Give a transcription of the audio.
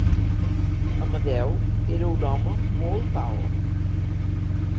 Amedeo era un home molt alt.